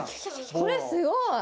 これすごい！